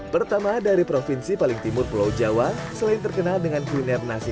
pertama dari provinsi paling timur pulau jawa selain terkenal dengan kuliner nasi